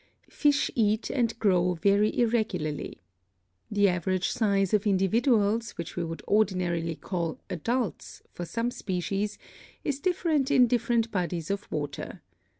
Fish eat and grow very irregularly. The average size of individuals, which we would ordinarily call adults, for some species, is different in different bodies of water.